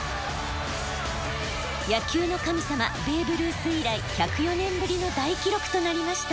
野球の神様ベーブ・ルース以来１０４年ぶりの大記録となりました。